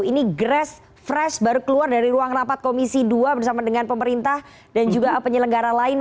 ini grass fresh baru keluar dari ruang rapat komisi dua bersama dengan pemerintah dan juga penyelenggara lain